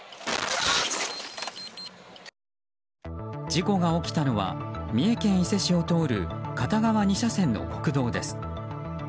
事故が起きたのは三重県伊勢市を通る片側２車線の国道です。